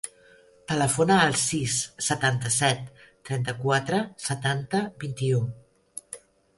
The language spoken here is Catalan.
Telefona al sis, setanta-set, trenta-quatre, setanta, vint-i-u.